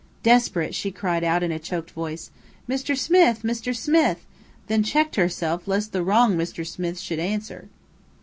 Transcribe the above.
Desperate, she cried out in a choked voice, "Mr. Smith! Mr. Smith!" then checked herself lest the wrong Mr. Smith should answer.